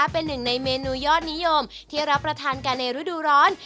เป็นหนึ่งในเมนูยอดนิยมที่รับประทานกันในฤดูร้อน